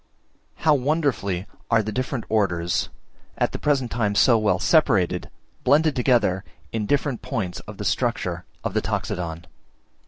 How wonderfully are the different Orders, at the present time so well separated, blended together in different points of the structure of the Toxodon!